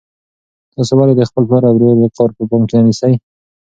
تاسو ولې د خپل پلار او ورور وقار په پام کې نه نیسئ؟